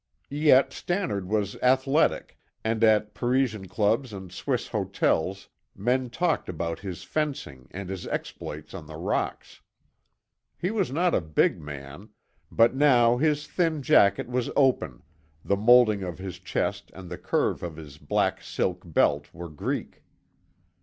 Yet Stannard was athletic, and at Parisian clubs and Swiss hotels men talked about his fencing and his exploits on the rocks. He was not a big man, but now his thin jacket was open, the moulding of his chest and the curve to his black silk belt were Greek.